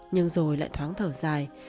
nhưng rồi lại thoáng thở dài